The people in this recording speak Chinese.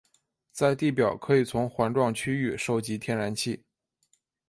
在地表可以从环状区域收集天然气。